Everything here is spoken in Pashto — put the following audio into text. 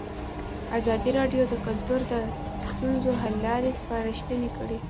ازادي راډیو د کلتور د ستونزو حل لارې سپارښتنې کړي.